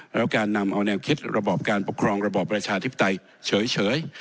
แล้วการนำเอาแนวคิดระบอบการปกครองระบอบประชาธิปไตยเฉย